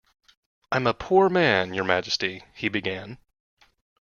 ‘I’m a poor man, your Majesty,’ he began.